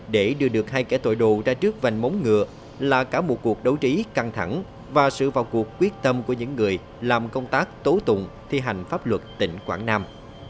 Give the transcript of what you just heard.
để đưa được hai kẻ tội đồ ra trước vành móng ngựa là cả một cuộc đấu trí căng thẳng và sự vào cuộc quyết tâm của những người làm công tác tố tụng thi hành pháp luật tỉnh quảng nam